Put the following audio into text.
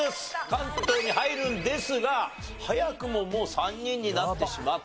関東に入るんですが早くももう３人になってしまった。